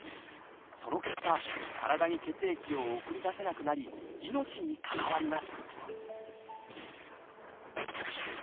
その結果体に血液を送り出せなくなり命に関わります